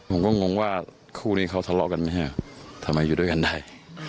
ผมก็งงว่าคู่นี้เขาทะเลาะกันไหมฮะทำไมอยู่ด้วยกันได้